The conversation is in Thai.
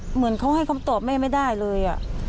เหมือนเขาให้คำตอบแม่ไม่ได้เลย